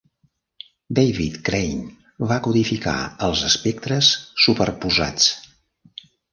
David Crane va codificar els espectres superposats.